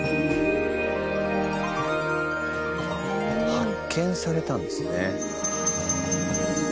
発見されたんですね。